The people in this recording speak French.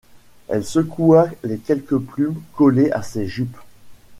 Elle secoua les quelques plumes collées à ses jupes.